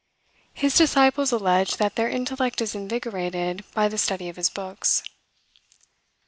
His disciples allege that their intellect is invigorated by the study of his books.